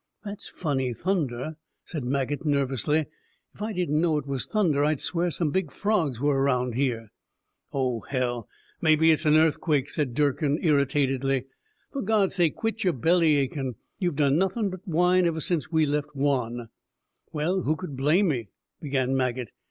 "That's funny thunder," said Maget nervously. "If I didn't know it was thunder, I'd swear some big frogs were around here." "Oh, hell. Maybe it's an earthquake," said Durkin irritatedly. "For God's sake, quit your bellyachin'. You've done nothin' but whine ever since we left Juan." "Well, who could blame me " began Maget.